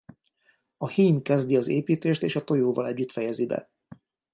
A hím kezdi az építést és a tojóval együtt fejezi be.